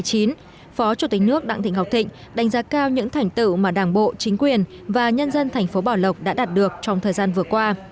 phó chủ tịch nước đặng thị ngọc thịnh đánh giá cao những thành tựu mà đảng bộ chính quyền và nhân dân thành phố bảo lộc đã đạt được trong thời gian vừa qua